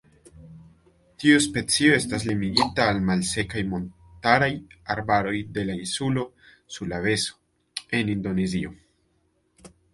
Tiu specio estas limigita al malsekaj montaraj arbaroj de la insulo Sulaveso en Indonezio.